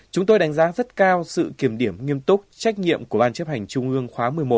chúng tôi đánh giá rất cao sự kiểm điểm nghiêm túc trách nhiệm của ban chấp hành trung ương khóa một mươi một